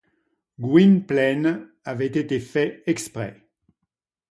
Gwynplaine avait été fait exprès.